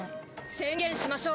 宣言しましょう。